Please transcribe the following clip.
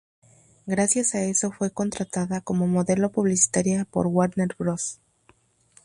Gracias a eso, fue contratada como modelo publicitaria por Warner Bros.